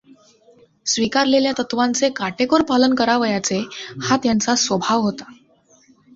स्वीकारलेल्या तत्त्वांचे काटेकोर पालन करावयाचे, हा त्यांचा स्वभाव होता.